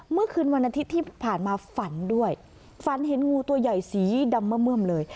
เมื่อคืนวันอาทิตย์ที่ผ่านมาฝันด้วยฝันเห็นงูตัวใหญ่สีดำเมื่อมเลย